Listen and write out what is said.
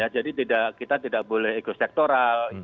jadi kita tidak boleh ekosektoral